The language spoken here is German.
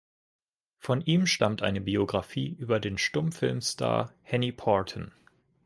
Von ihm stammt eine Biografie über den Stummfilmstar Henny Porten.